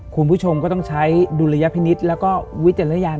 คุณผู้ชมก็ต้องใช้ดุลยพินิษฐ์แล้วก็วิจารณญาณ